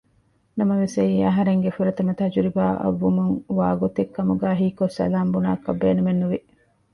ނަމަވެސް އެއީ އަހަރެންގެ ފުރަތަމަ ތަޖުރިބާއަށްވުމުން ވާގޮތެއް ކަމުގައި ހީކޮށް ސަލާން ބުނާކަށް ބޭނުމެއްނުވި